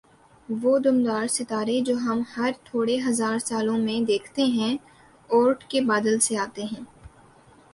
وہ دُمدار ستارے جو ہم ہر تھوڑے ہزار سالوں میں دیکھتے ہیں "اوٗرٹ کے بادل" سے آتے ہیں۔